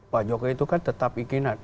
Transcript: pak jokowi itu kan tetap inginat